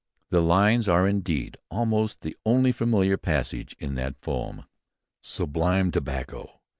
The lines are, indeed, almost the only familiar passage in that poem: _Sublime tobocco!